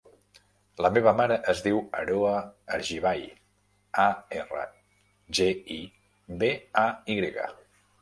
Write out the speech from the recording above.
La meva mare es diu Aroa Argibay: a, erra, ge, i, be, a, i grega.